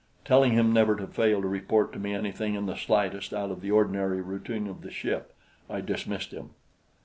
Telling him never to fail to report to me anything in the slightest out of the ordinary routine of the ship, I dismissed him.